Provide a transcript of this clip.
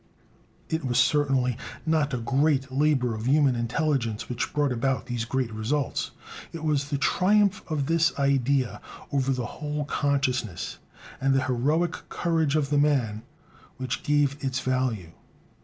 It was certainly not a great labor of human intelligence which brought about these great results; it was the triumph of this idea over the whole consciousness, and the heroic courage of the man, which gave it its value.